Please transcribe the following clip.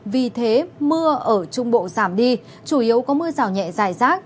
vì thế mưa ở trung bộ giảm đi chủ yếu có mưa rào nhẹ dài rác